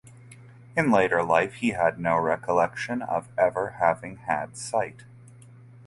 In later life he had no recollection of ever having had sight.